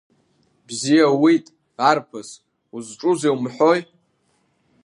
Бзиа ууит, арԥыс, узҿузеи умҳәои?